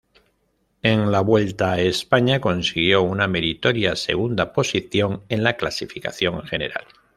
En la Vuelta a España consiguió una meritoria segunda posición en la clasificación general.